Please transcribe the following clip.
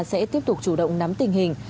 sẽ tiếp tục chủ động nắm tình hình